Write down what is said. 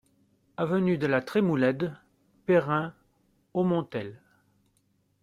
Avenue de la Trémoulède, Payrin-Augmontel